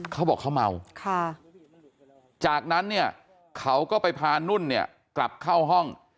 เขาบอกเขาเมาจากนั้นเนี่ยเขาก็ไปพานุ่นเนี่ยกลับเข้าห้อง